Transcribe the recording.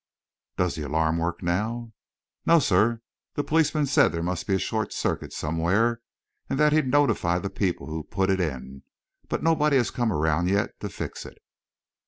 "Does the alarm work now?" "No, sir; the policeman said there must be a short circuit somewhere, and that he'd notify the people who put it in; but nobody has come around yet to fix it."